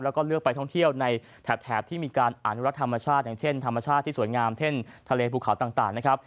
แล้วก็เลือกไปท่องเที่ยวในแถบที่มีการอนุรักษ์ธรรมชาติอย่างเช่นธรรมชาติที่สวยงามเช่นทะเลภูเขาต่างนะครับ